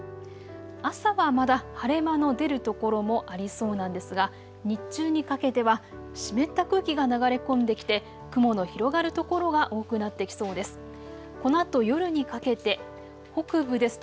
朝はまだ晴れ間の出る所もありそうなんですが日中にかけては湿った空気が流れ込んできて雲の広がる所が多くなってきそうです。